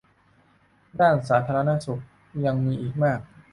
ด้านสาธารณสุขยังมีอีกมาก